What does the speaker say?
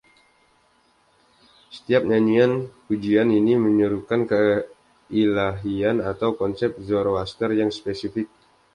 Setiap nyanyian pujian ini menyerukan keilahian atau konsep Zoroaster yang spesifik.